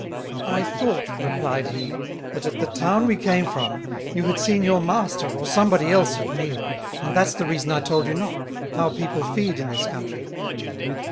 "I thought," replied he, "that at the Town we came from, you had seen your Master or some Bo[dy] else at meal, and that's the reason I told you not, how People feed in this Country.